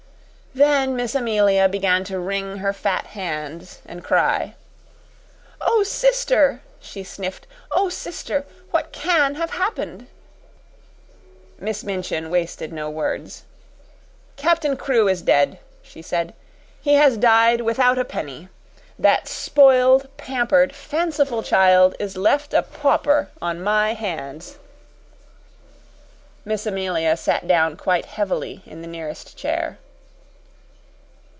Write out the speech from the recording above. Then Miss Amelia began to wring her fat hands and cry. "Oh, sister!" she sniffed. "Oh, sister! What CAN have happened?" Miss Minchin wasted no words. "Captain Crewe is dead," she said. "He has died without a penny. That spoiled, pampered, fanciful child is left a pauper on my hands." Miss Amelia sat down quite heavily in the nearest chair.